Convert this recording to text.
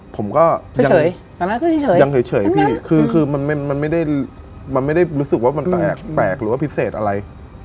ผมก็ยังเฉยพี่คือมันไม่ได้มันไม่ได้รู้สึกว่ามันแปลกหรือว่าพิเศษอะไร